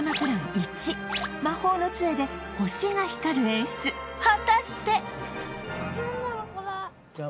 １魔法の杖で星が光る演出果たしてじゃあ